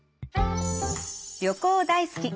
旅行大好き！